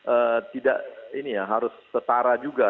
eee tidak ini ya harus setara juga